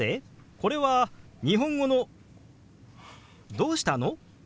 これは日本語の「どうしたの？」